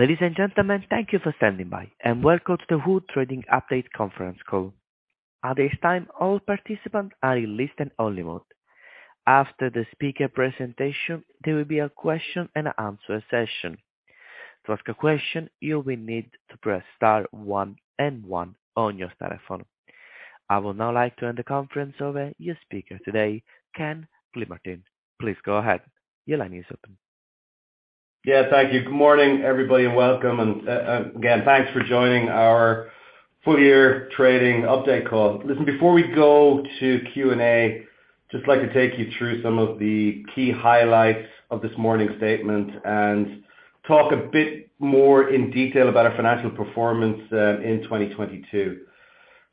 Ladies and gentlemen, thank you for standing by. Welcome to the Wood Trading Update Conference Call. At this time, all participants are in listen only mode. After the speaker presentation, there will be a question and answer session. To ask a question, you will need to press star one and one on your telephone. I would now like to hand the conference over your speaker today, Ken Gilmartin. Please go ahead. Your line is open. Yeah, thank you. Good morning, everybody, and welcome. Again, thanks for joining our full year trading update call. Listen, before we go to Q&A, just like to take you through some of the key highlights of this morning's statement and talk a bit more in detail about our financial performance in 2022.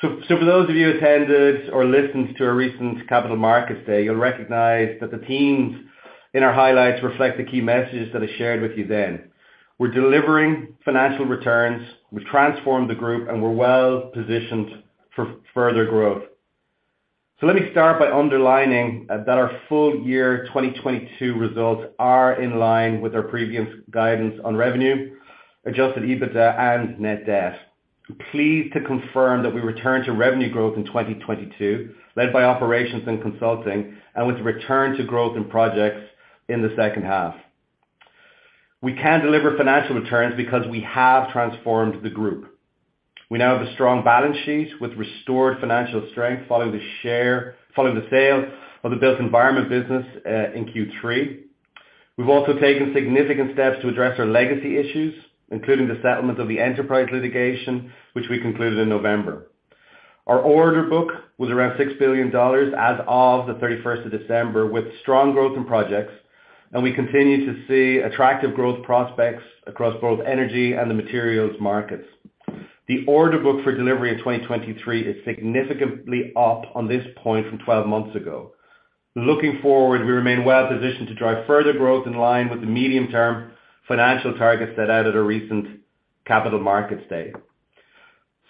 For those of you who attended or listened to our recent Capital Markets Day, you'll recognize that the themes in our highlights reflect the key messages that I shared with you then. We're delivering financial returns, we've transformed the group, and we're well-positioned for further growth. Let me start by underlining that our full year 2022 results are in line with our previous guidance on revenue, adjusted EBITDA and net debt. Pleased to confirm that we returned to revenue growth in 2022, led by operations and consulting, and with a return to growth in projects in the second half. We can deliver financial returns because we have transformed the group. We now have a strong balance sheet with restored financial strength following the sale of the Built Environment business in Q3. We've also taken significant steps to address our legacy issues, including the settlement of the Enterprise litigation, which we concluded in November. Our order book was around $6 billion as of the 31st of December, with strong growth and projects, and we continue to see attractive growth prospects across both energy and the materials markets. The order book for delivery in 2023 is significantly up on this point from 12 months ago. Looking forward, we remain well positioned to drive further growth in line with the medium-term financial targets set out at our recent Capital Markets Day.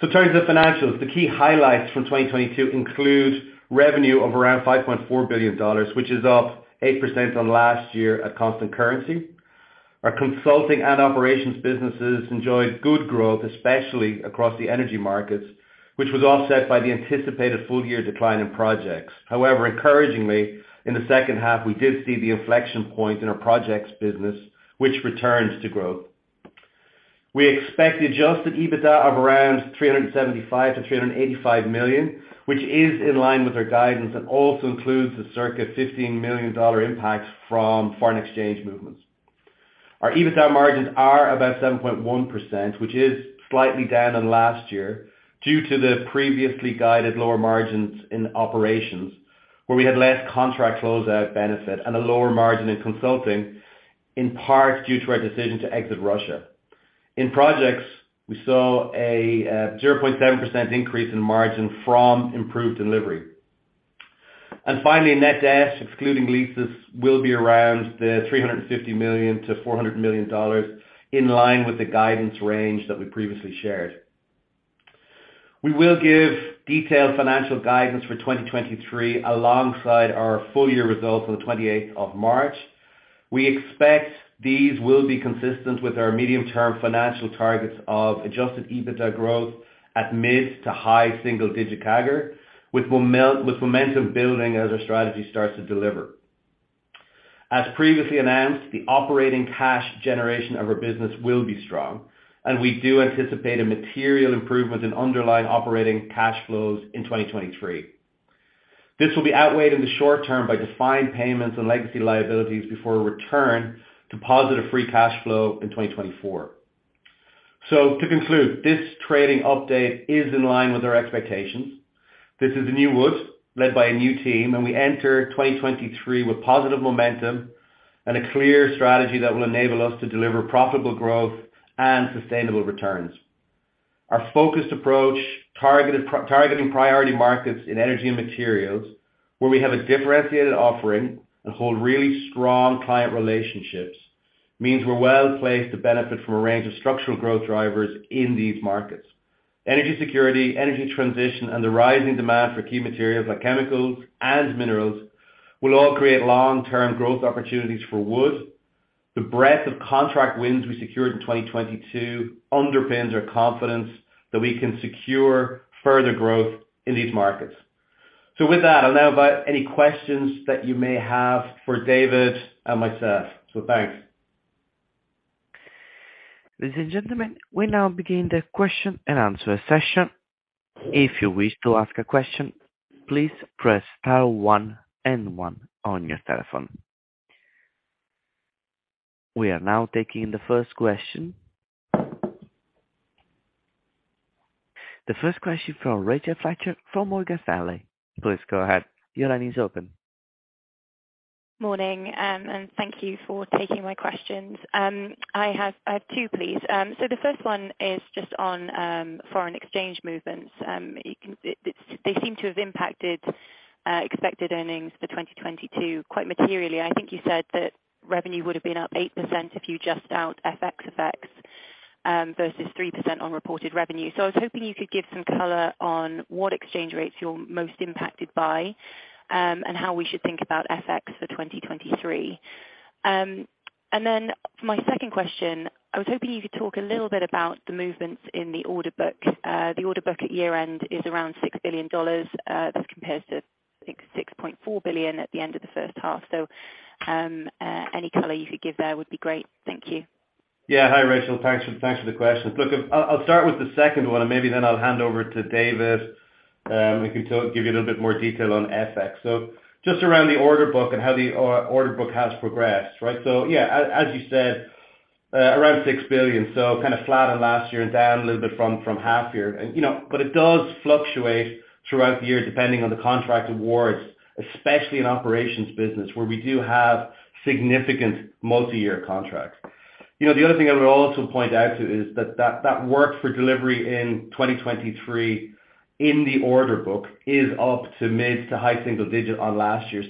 In terms of financials, the key highlights for 2022 include revenue of around $5.4 billion, which is up 8% on last year at constant currency. Our consulting and operations businesses enjoyed good growth, especially across the energy markets, which was offset by the anticipated full year decline in projects. Encouragingly, in the second half, we did see the inflection point in our projects business, which returns to growth. We expect adjusted EBITDA of around $375 million-$385 million, which is in line with our guidance and also includes the circa $15 million impact from foreign exchange movements. Our EBITDA margins are about 7.1%, which is slightly down on last year due to the previously guided lower margins in operations, where we had less contract closeout benefit and a lower margin in consulting, in part due to our decision to exit Russia. In projects, we saw a 0.7% increase in margin from improved delivery. Finally, net debt, excluding leases, will be around $350 million-$400 million, in line with the guidance range that we previously shared. We will give detailed financial guidance for 2023 alongside our full year results on the 28th of March. We expect these will be consistent with our medium-term financial targets of adjusted EBITDA growth at mid to high single digit CAGR, with momentum building as our strategy starts to deliver. As previously announced, the operating cash generation of our business will be strong, and we do anticipate a material improvement in underlying operating cash flows in 2023. This will be outweighed in the short term by defined payments and legacy liabilities before a return to positive free cash flow in 2024. To conclude, this trading update is in line with our expectations. This is the new Wood, led by a new team, and we enter 2023 with positive momentum and a clear strategy that will enable us to deliver profitable growth and sustainable returns. Our focused approach, targeting priority markets in energy and materials, where we have a differentiated offering and hold really strong client relationships, means we're well placed to benefit from a range of structural growth drivers in these markets. Energy security, energy transition, and the rising demand for key materials like chemicals and minerals will all create long-term growth opportunities for Wood. The breadth of contract wins we secured in 2022 underpins our confidence that we can secure further growth in these markets. With that, I'll now invite any questions that you may have for David and myself. Thanks. Ladies and gentlemen, we now begin the question and answer session. If you wish to ask a question, please press star one and one on your telephone. We are now taking the first question. The first question from Rachel Fletcher from Morgan Stanley. Please go ahead. Your line is open. Morning, and thank you for taking my questions. I have two, please. The first one is just on foreign exchange movements. They seem to have impacted expected earnings for 2022 quite materially. I think you said that revenue would have been up 8% if you adjust out FX effects, versus 3% on reported revenue. I was hoping you could give some color on what exchange rates you're most impacted by, and how we should think about FX for 2023. For my second question, I was hoping you could talk a little bit about the movements in the order book. The order book at year-end is around $6 billion, this compares to, I think, $6.4 billion at the end of the first half. Any color you could give there would be great. Thank you. Yeah. Hi, Rachel. Thanks for the questions. Look, I'll start with the second one, and maybe then I'll hand over to David, who can give you a little bit more detail on FX. Just around the order book and how the order book has progressed, right? Yeah, as you said, around $6 billion, kind of flat on last year and down a little bit from half year. You know, but it does fluctuate throughout the year depending on the contract awards, especially in operations business, where we do have significant multi-year contracts. You know, the other thing I would also point out to is that work for delivery in 2023 in the order book is up to mid-to-high single digit on last year.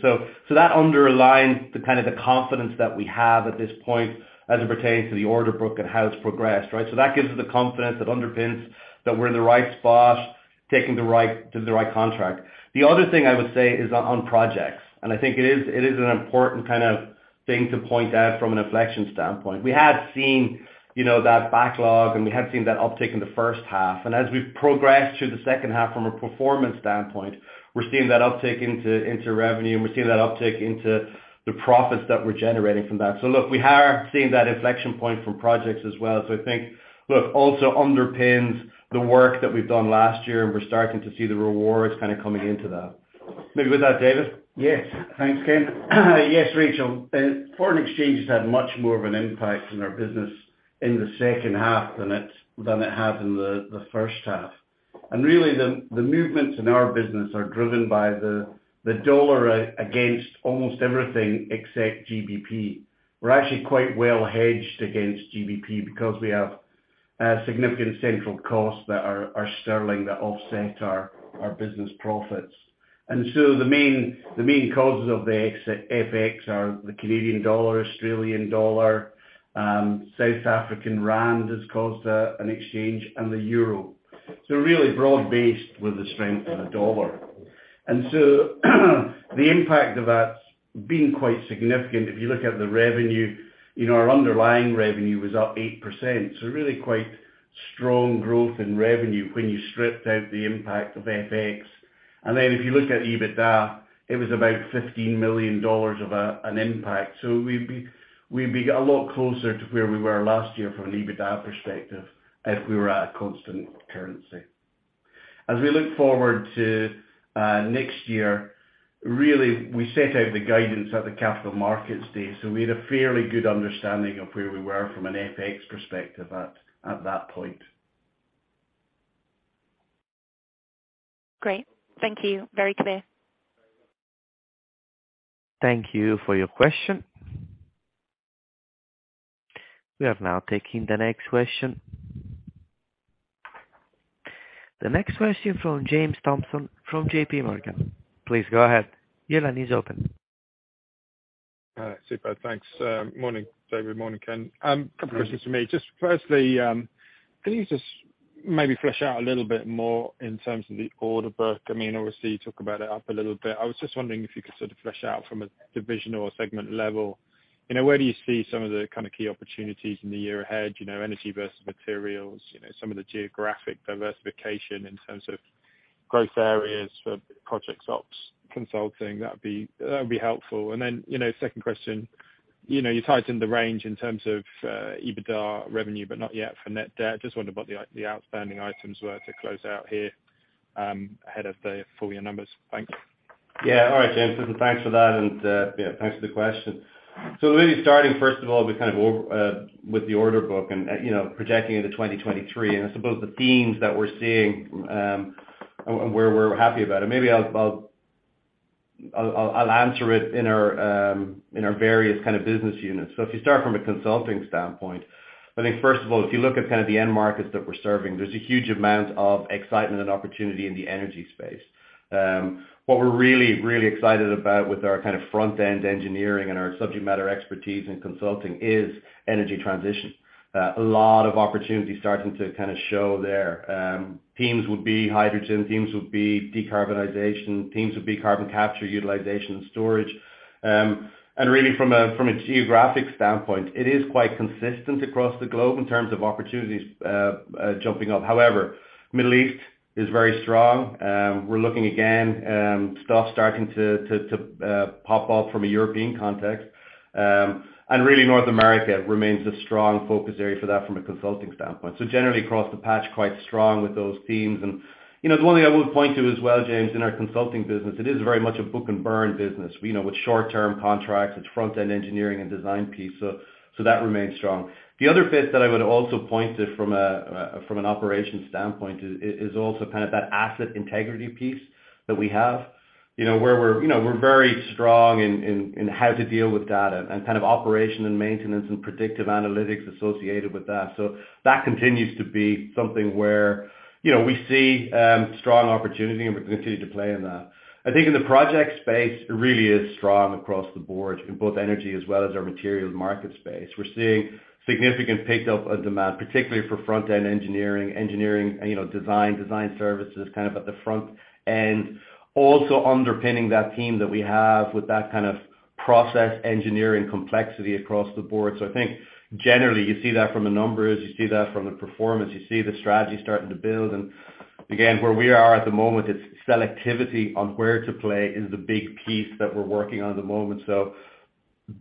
That underlines the kind of the confidence that we have at this point as it pertains to the order book and how it's progressed, right? That gives us the confidence that underpins that we're in the right spot, taking the right, doing the right contract. The other thing I would say is on projects, and I think it is an important kind of thing to point out from an inflection standpoint. We have seen, you know, that backlog, and we have seen that uptick in the first half. As we progress through the second half from a performance standpoint, we're seeing that uptick into revenue, and we're seeing that uptick into the profits that we're generating from that. Look, we are seeing that inflection point from projects as well. I think, look, also underpins the work that we've done last year, and we're starting to see the rewards kind of coming into that. Maybe with that, David. Yes. Thanks, Ken. Yes, Rachel. Foreign exchange has had much more of an impact on our business in the second half than it had in the first half. The movements in our business are driven by the dollar against almost everything except GBP. We're actually quite well hedged against GBP because we have significant central costs that are sterling that offset our business profits. The main causes of the FX are the Canadian dollar, Australian dollar, South African rand has caused an exchange, and the euro. Really broad-based with the strength of the dollar. The impact of that's been quite significant. If you look at the revenue, you know, our underlying revenue was up 8%, so really quite strong growth in revenue when you stripped out the impact of FX. If you look at EBITDA, it was about $15 million of an impact. We'd be a lot closer to where we were last year from an EBITDA perspective if we were at a constant currency. As we look forward to next year, really, we set out the guidance at the Capital Markets Day, so we had a fairly good understanding of where we were from an FX perspective at that point. Great. Thank you. Very clear. Thank you for your question. We are now taking the next question. The next question from James Thompson from JPMorgan. Please go ahead. Your line is open. All right. Super. Thanks. Morning, David. Morning, Ken. Couple questions from me. Just firstly, can you just maybe flesh out a little bit more in terms of the order book? I mean, obviously you talk about it up a little bit. I was just wondering if you could sort of flesh out from a divisional or segment level, you know, where do you see some of the kind of key opportunities in the year ahead, you know, energy versus materials, you know, some of the geographic diversification in terms of growth areas for project ops consulting? That would be helpful. You know, second question, you know, you tightened the range in terms of EBITDA revenue but not yet for net debt. Just wonder what the outstanding items were to close out here, ahead of the full year numbers. Thanks. Yeah. All right, James. Listen, thanks for that, yeah, thanks for the question. Really starting, first of all, with kind of with the order book and, you know, projecting into 2023. I suppose the themes that we're seeing, and we're happy about it. Maybe I'll answer it in our various kind of business units. If you start from a consulting standpoint, I think first of all, if you look at kind of the end markets that we're serving, there's a huge amount of excitement and opportunity in the energy space. What we're really excited about with our kind of front-end engineering and our subject matter expertise in consulting is energy transition. A lot of opportunities starting to kind of show there. Themes would be hydrogen, themes would be decarbonization, themes would be carbon capture utilization and storage. Really from a geographic standpoint, it is quite consistent across the globe in terms of opportunities jumping up. However, Middle East is very strong. We're looking again, stuff starting to pop up from a European context. Really North America remains a strong focus area for that from a consulting standpoint. Generally across the patch, quite strong with those themes. You know, the one thing I would point to as well, James, in our consulting business, it is very much a book and burn business, you know, with short-term contracts, it's front-end engineering and design piece, so that remains strong. The other bit that I would also point to from an operations standpoint is also kind of that asset integrity piece that we have. You know, where we're, you know, we're very strong in how to deal with data and kind of operation and maintenance and predictive analytics associated with that. That continues to be something where, you know, we see strong opportunity, and we continue to play in that. I think in the project space, it really is strong across the board in both energy as well as our materials market space. We're seeing significant pick up on demand, particularly for front-end engineering, you know, design services kind of at the front. Underpinning that theme that we have with that kind of process engineering complexity across the board. I think generally you see that from the numbers, you see that from the performance, you see the strategy starting to build. Again, where we are at the moment, it's selectivity on where to play is the big piece that we're working on at the moment.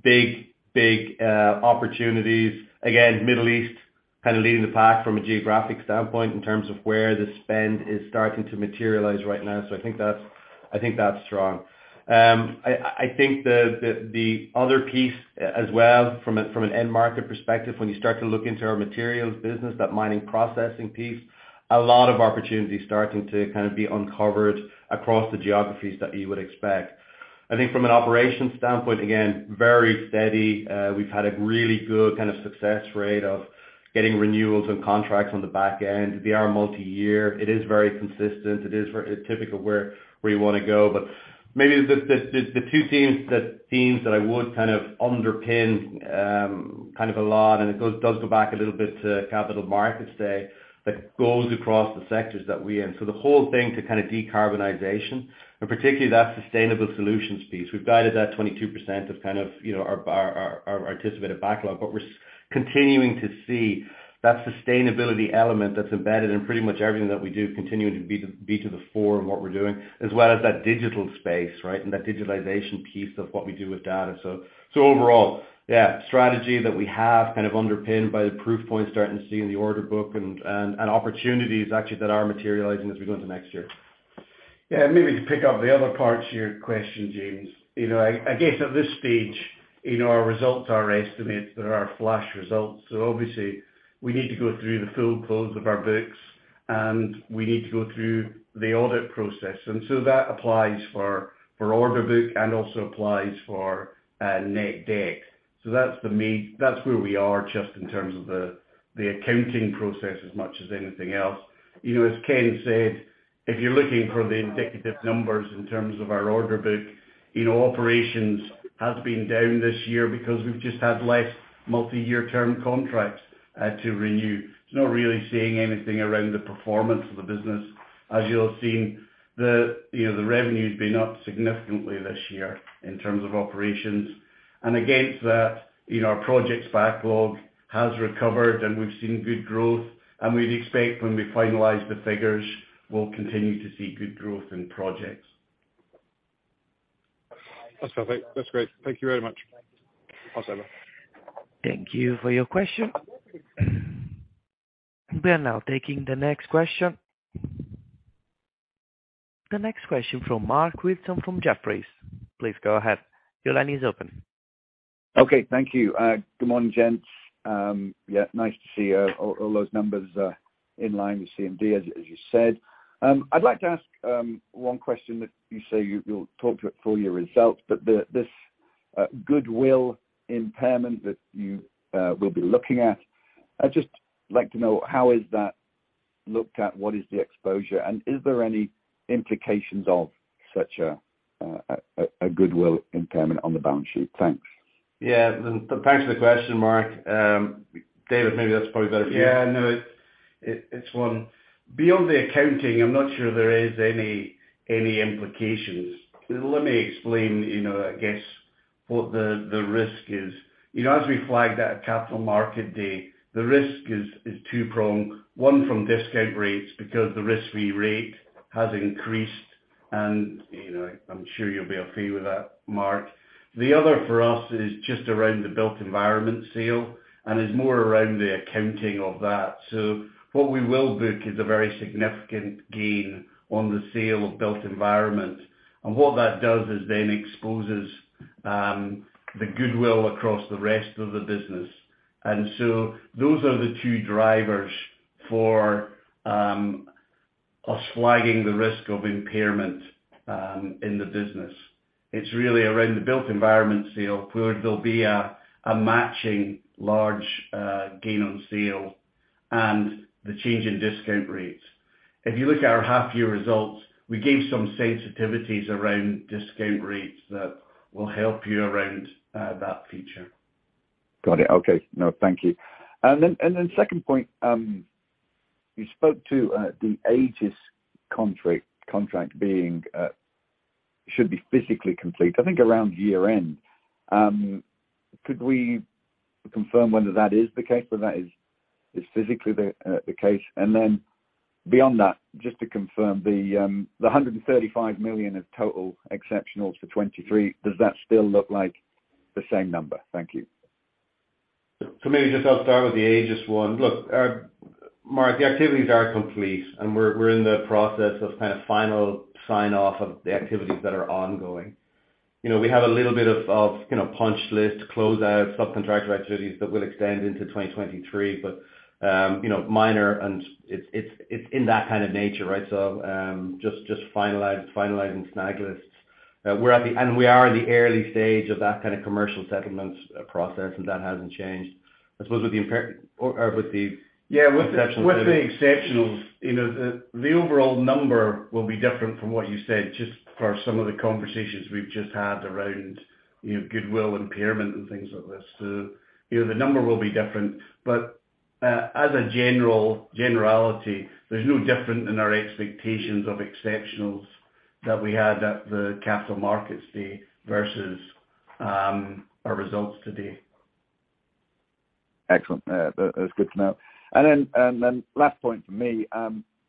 Big, big opportunities. Again, Middle East kind of leading the pack from a geographic standpoint in terms of where the spend is starting to materialize right now. I think that's, I think that's strong. I think the other piece as well from an end market perspective, when you start to look into our materials business, that mining processing piece, a lot of opportunities starting to kind of be uncovered across the geographies that you would expect. I think from an operations standpoint, again, very steady. We've had a really good kind of success rate of getting renewals and contracts on the back end. They are multi-year. It is very consistent. It's typical where we wanna go. Maybe the two themes that I would kind of underpin, kind of a lot, and it does go back a little bit to Capital Markets Day, that goes across the sectors that we in. The whole thing to kind of decarbonization, and particularly that sustainable solutions piece, we've guided that 22% of kind of, you know, our anticipated backlog, but we're continuing to see that sustainability element that's embedded in pretty much everything that we do continuing to be to the fore in what we're doing, as well as that digital space, right? That digitalization piece of what we do with data. Overall, yeah, strategy that we have kind of underpinned by the proof points starting to see in the order book and opportunities actually that are materializing as we go into next year. Yeah. Maybe to pick up the other parts of your question, James. You know, I guess at this stage, you know, our results are estimates, they're our flash results. Obviously we need to go through the full close of our books, and we need to go through the audit process. That applies for order book and also applies for net debt. That's where we are just in terms of the accounting process as much as anything else. You know, as Ken said, if you're looking for the indicative numbers in terms of our order book, you know, operations has been down this year because we've just had less multi-year term contracts to renew. It's not really saying anything around the performance of the business. As you'll have seen the, you know, the revenue's been up significantly this year in terms of operations. Against that, you know, our projects backlog has recovered, and we've seen good growth, and we'd expect when we finalize the figures, we'll continue to see good growth in projects. That's perfect. That's great. Thank you very much. Thanks. Awesome. Thank you for your question. We are now taking the next question. The next question from Mark Wilson from Jefferies. Please go ahead. Your line is open. Okay. Thank you. Good morning, gents. Yeah, nice to see all those numbers in line with CMD, as you said. I'd like to ask one question that you say you'll talk to it for your results, but this goodwill impairment that you will be looking at. I'd just like to know how is that looked at, what is the exposure, and is there any implications of such a goodwill impairment on the balance sheet? Thanks. Yeah. Thanks for the question, Mark. David, maybe that's probably better for you. Yeah, no. It's one. Beyond the accounting, I'm not sure there is any implications. Let me explain, you know, what the risk is. You know, as we flagged at our Capital Markets Day, the risk is two-pronged, one from discount rates because the risk-free rate has increased and, you know, I'm sure you'll be au fait with that, Mark. The other for us is just around the Built Environment sale and is more around the accounting of that. What we will book is a very significant gain on the sale of Built Environment. What that does is then exposes the goodwill across the rest of the business. Those are the two drivers for us flagging the risk of impairment in the business. It's really around the Built Environment sale, where there'll be a matching large gain on sale and the change in discount rates. If you look at our half year results, we gave some sensitivities around discount rates that will help you around that feature. Got it. Okay. No, thank you. Then, second point, you spoke to the Aegis contract being should be physically complete, I think around year-end. Could we confirm whether that is the case, whether that is physically the case? Beyond that, just to confirm the $135 million of total exceptionals for 2023, does that still look like the same number? Thank you. Maybe just I'll start with the Aegis one. Look, Mark, the activities are complete, and we're in the process of kind of final sign-off of the activities that are ongoing. You know, we have a little bit of, you know, punch list, close out, subcontractor activities that will extend into 2023, but, you know, minor and it's in that kind of nature, right? Just finalized, finalizing snag lists. We are in the early stage of that kind of commercial settlements, process, and that hasn't changed. I suppose with the Yeah. -exceptionals- With the exceptionals, you know, the overall number will be different from what you said, just for some of the conversations we've just had around, you know, goodwill impairment and things like this. You know, the number will be different, but. As a general generality, there's no different in our expectations of exceptionals that we had at the Capital Markets Day versus our results today. Excellent. That's good to know. Then last point for me,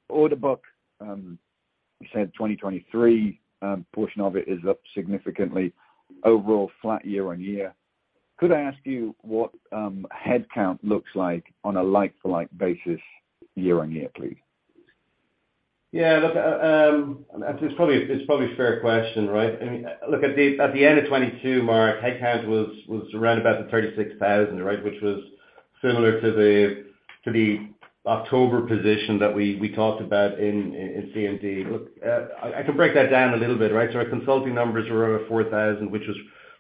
order book, you said 2023 portion of it is up significantly. Overall flat year-on-year. Could I ask you what headcount looks like on a like-for-like basis year-on-year, please? Yeah, look, it's probably a fair question, right? I mean, look, at the end of 2022, Mark Wilson, headcount was around about the 36,000, right? Which was similar to the October position that we talked about in CMT. Look, I can break that down a little bit, right? Our consulting numbers were around 4,000, which was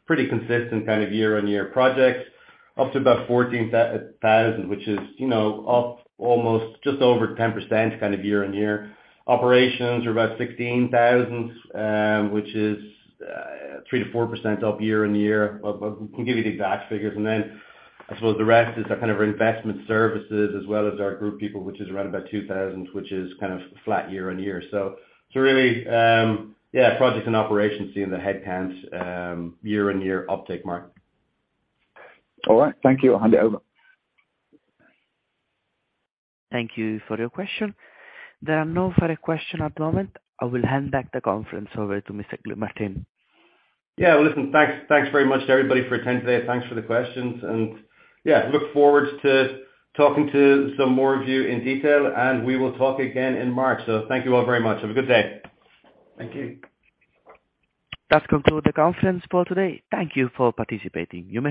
pretty consistent kind of year-on-year projects. Up to about 14,000, which is, you know, up almost just over 10% kind of year-on-year. Operations are about 16,000, which is 3%-4% up year-on-year. But we can give you the exact figures. I suppose the rest is our kind of investment services as well as our group people, which is around about 2,000, which is kind of flat year-on-year. Really, yeah, projects and operations seeing the headcounts, year-on-year uptake, Mark. All right. Thank you. I'll hand it over. Thank you for your question. There are no further question at the moment. I will hand back the conference over to Mr. GilMartin. Yeah. Well, listen, thanks very much to everybody for attending today. Thanks for the questions, yeah, look forward to talking to some more of you in detail and we will talk again in March. Thank you all very much. Have a good day. Thank you. That concludes the conference call today. Thank you for participating. You may disconnect.